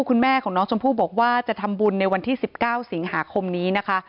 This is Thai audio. คุณแม่ของน้องชมพู่บอกว่าจะทำบุญในวันที่๑๙สิงหาคมนี้นะคะ